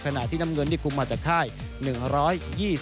ขณะที่น้ำเงินที่คุมมาจากค่าย